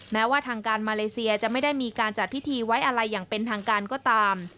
แม้ว่าทางการมาเลเซียจะไม่ได้มีการจัดพิธีไว้อะไรอย่างเป็นทางการก็ตาม